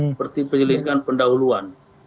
seperti penyelidikan pendahuluan